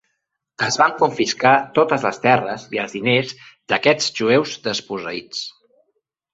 Es van confiscar totes les terres i els diners d"aquests jueus desposseïts.